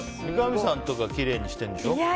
三上さんとかきれいにしてるんでしょ？